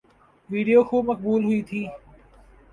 video خوب مقبول ہوئی تھی